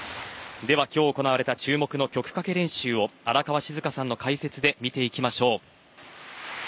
では、今日行われた注目の曲かけ練習を荒川静香さんの解説で見ていきましょう。